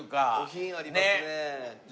品ありますね。